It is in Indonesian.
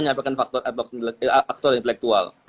menyampaikan faktor inflektual